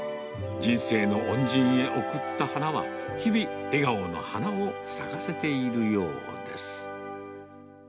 人生の恩人へ贈った花は、日々、笑顔の花を咲かせているようです。